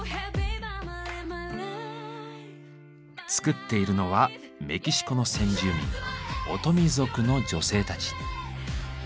作っているのはメキシコの先住民オトミ族の女性たち。